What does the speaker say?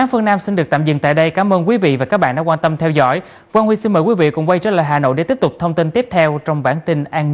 hãy đăng ký kênh để nhận thông tin nhất